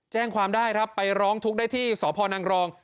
แจ้งความได้ครับไปร้องทุกข์ได้ที่สพนังรอง